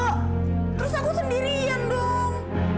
terus aku sendirian dong